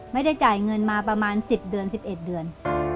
ไม่ได้จ่ายเงินมาประมาณ๑๐เดือน๑๑เดือน